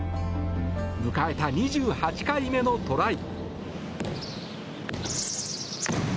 迎えた、２８回目のトライ。